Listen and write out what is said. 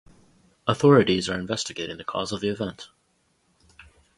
Authorities are investigating the cause of the event.